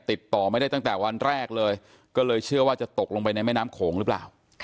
ติดต่อไม่ได้ตั้งแต่วันแรกเลยก็เลยเชื่อว่าจะตกลงไปในแม่น้ำโขงหรือเปล่า